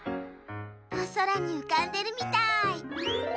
おそらにうかんでるみたい。